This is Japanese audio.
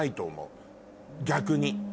逆に。